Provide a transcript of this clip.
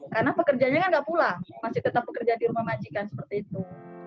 karena pekerjanya kan nggak pulang masih tetap bekerja di rumah majikan seperti itu